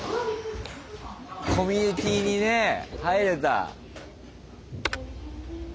コミュニティーにね入れた。